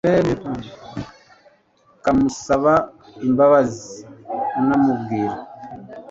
ukamusaba imbabazi unamubwira